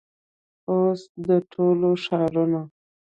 او س د ټولو ښارونو